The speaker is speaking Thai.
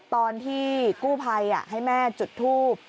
ตอนที่กู้ภัยให้แม่จุดทูบ